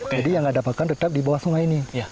jadi yang ada pakan tetap di bawah sungai ini